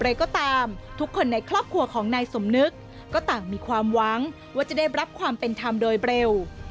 อะไรก็ตามทุกคนในครอบครัวของนายสมนึกก็ต่างมีความหวังว่าจะได้รับความเป็นธรรมโดยเร็ว